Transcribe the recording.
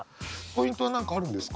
ポイントは何かあるんですか？